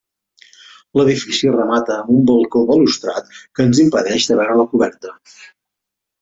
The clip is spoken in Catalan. L'edifici remata amb un balcó balustrat que ens impedeix de veure la coberta.